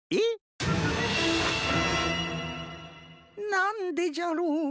なんでじゃろう？